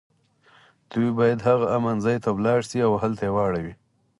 دوی باید هغه امن ځای ته ولاړ شي او هلته واړوي